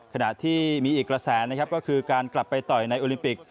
ขณะที่มีอีกกระแสนะครับก็คือการกลับไปต่อยในโอลิมปิก